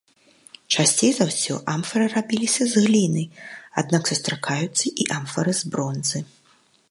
Часцей за ўсё амфары рабіліся з гліны, аднак сустракаюцца і амфары з бронзы.